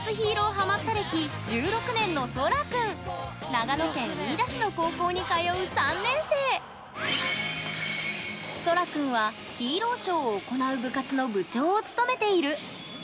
長野県飯田市の高校に通う３年生そらくんはヒーローショーを行う部活の部長を務めている。